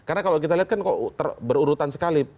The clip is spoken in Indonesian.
karena kalau kita lihat kan berurutan sekali